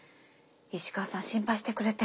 石川さん心配してくれて。